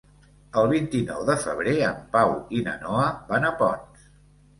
El vint-i-nou de febrer en Pau i na Noa van a Ponts.